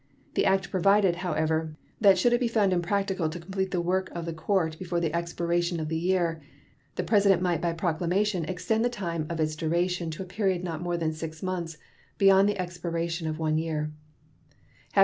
The act provided, however, that should it be found impracticable to complete the work of the court before the expiration of the year the President might by proclamation extend the time of its duration to a period not more than six months beyond the expiration of the one year.